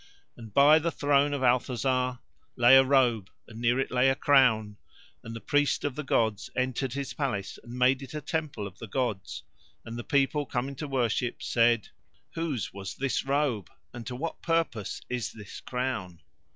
And by the throne of Althazar lay a robe, and near it lay a crown, and the priests of the gods entered his palace and made it a temple of the gods. And the people coming to worship said: "Whose was this robe and to what purpose is this crown?"